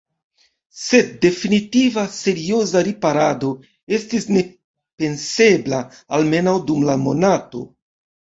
Sed definitiva, serioza riparado estis nepensebla, almenaŭ dum la monato.